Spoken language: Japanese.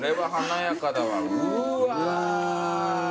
うわ！